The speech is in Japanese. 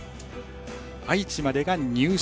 愛知までが入賞。